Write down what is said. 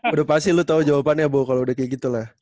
udah pasti lu tahu jawabannya bu kalau udah kayak gitu lah